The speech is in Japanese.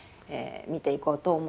見ていこうと思います。